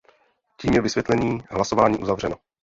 Tím je vysvětlení hlasování uzavřeno.